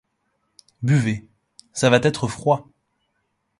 Buvez, ça va être froid.